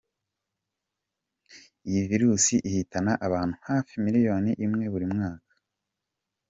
Iyi virusi ihitana abantu hafi miliyoni imwe buri mwaka.